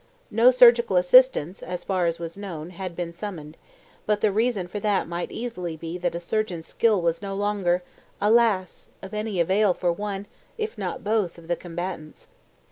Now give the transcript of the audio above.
No surgical assistance, as far as was known, had been summoned, but the reason for that might easily be that a surgeon's skill was no longer, alas! of any avail for one, if not both, of the combatants.